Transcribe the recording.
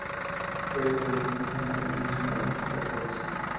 Reid y el personal de Island Records.